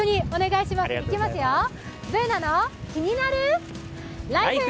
いきますよ、「ＢｏｏｎａのキニナルＬＩＦＥ」！